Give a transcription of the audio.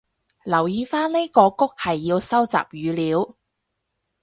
留意返呢個谷係要收集語料